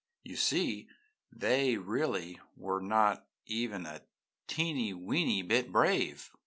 You see, they really were not even a teeney, weeney bit brave.